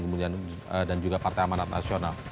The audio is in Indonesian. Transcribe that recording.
kemudian dan juga partai amanat nasional